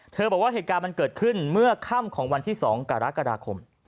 บอกว่าเหตุการณ์มันเกิดขึ้นเมื่อค่ำของวันที่๒กรกฎาคม